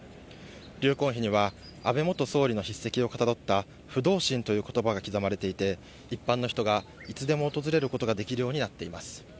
留魂碑には安倍元総理の筆跡をかたどった、不動心ということばが刻まれていて、一般の人がいつでも訪れることができるようになっています。